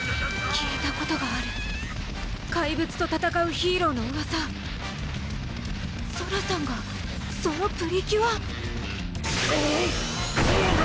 聞いたことがある怪物と戦うヒーローのうわさソラさんがそのプリキュアキョーボーグ！